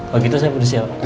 waktu itu saya berusia apa